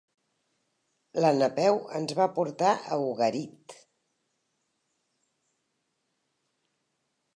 La Napeu ens va portar a Ugarit!